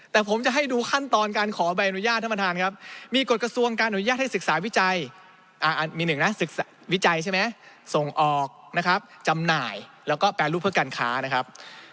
แต่ผมจะให้ดูขั้นตอนการขอใบอนุญาตท่านประธานครับมีกฎกระทรวงการอนุญาตให้ศึกษาวิจัยมีหนึ่งนะวิจัยใช่ไหมส่งออกนะครับจำหน่ายแล้วก็แปรรูปเพื่อการค้านะครับ